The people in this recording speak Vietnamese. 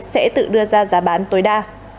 sẽ tự đưa ra giá bán tối đa